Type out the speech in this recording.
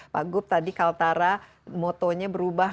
pak gup tadi kaltara motonya berubah